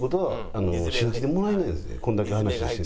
こんだけ話してて。